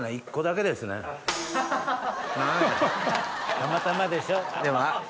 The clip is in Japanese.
たまたまでしょ。